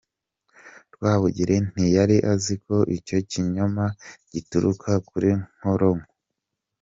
Rwabugili ntiyari azi ko icyo kinyoma gituruka kuri Nkoronko.